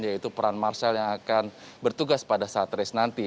yaitu peran marcel yang akan bertugas pada saat race nanti